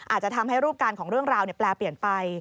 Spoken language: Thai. อาจจะทำให้รูปการณ์ของเรื่องราวแปลเปลี่ยนไป